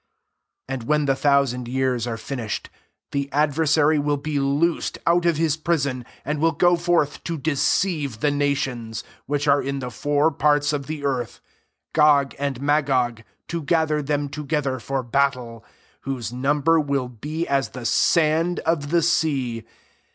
7 And when the thousand years are finished, the adver sary will be loosed out of his prison ; 8 and will go forth to deceive the nations, which are in the fijur parts of the earth, G%g and Magog, to ga ther them together for battle : whose number will be as the sand of the sea.